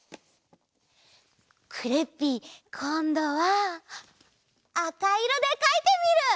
クレッピーこんどはあかいろでかいてみる！